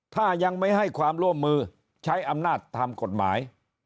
ถ้ายังไม่ให้ความร่วมมือใช้อำนาจตามกฎหมาย